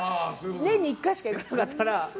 年に１回しか行かなかったら。